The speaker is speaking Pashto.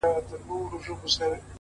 o په رڼا كي يې پر زړه ځانمرگى وسي ـ